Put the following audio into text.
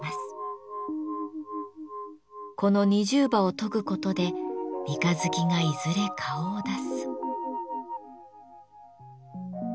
この二重刃を研ぐことで三日月がいずれ顔を出す。